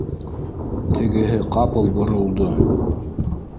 Тегеһе ҡапыл боролдо: